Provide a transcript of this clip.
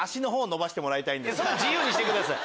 それは自由にしてください。